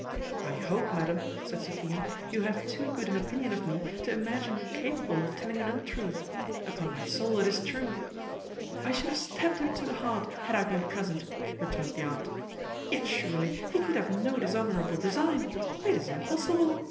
"I hope, madam," said Sophia, "you have too good an opinion of me to imagine me capable of telling an untruth. Upon my soul it is true." "I should have stabbed him to the heart, had I been present," returned the aunt. "Yet surely he could have no dishonourable design; it is impossible!